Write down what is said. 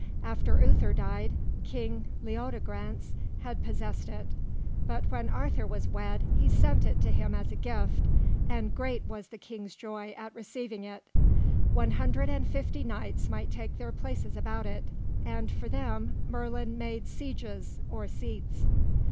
After Uther died, King Leodegrance had possessed it; but when Arthur was wed, he sent it to him as a gift, and great was the King's joy at receiving it. One hundred and fifty knights might take their places about it, and for them Merlin made sieges, or seats.